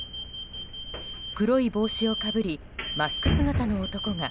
黒い帽子をかぶりマスク姿の男が。